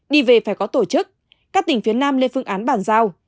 đi về phải có tổ chức các tỉnh phía nam lên phương án bàn giao